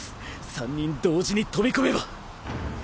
三人同時に飛び込めば！